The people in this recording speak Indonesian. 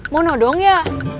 mau nodong ya